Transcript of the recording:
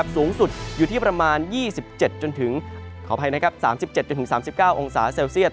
สูงสุดอยู่ที่ประมาณ๓๗๓๙องศาเซลเซียต